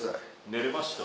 寝れました？